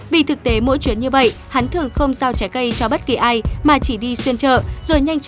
vì thực tế mỗi chuyến như vậy hắn thường không giao trái cây cho bất kỳ ai mà chỉ đi xuống nhà